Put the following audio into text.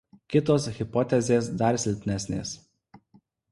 Kitos hipotezės dar silpnesnės.